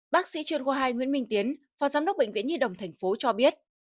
bác sĩ chuyên khoa hai nguyễn minh tiến phòng giám đốc bệnh viện nhi đồng thành phố cho biết